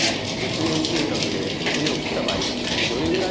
術前計画で骨を切った場合どれぐらいですね